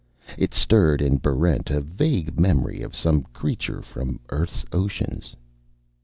It stirred in Barrent a vague memory of some creature from Earth's oceans.